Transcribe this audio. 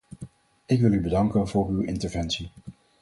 Ik wil u bedanken voor uw interventie.